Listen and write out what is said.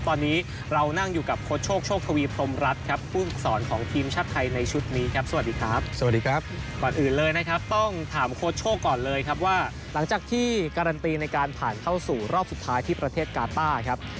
ตอนนี้เรานั่งอยู่กับโค้ดโชคโชคทวีพรหมรัฐครับ